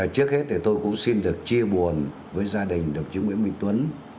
trước hết thì tôi cũng xin được chia buồn với gia đình đồng chí nguyễn minh tuấn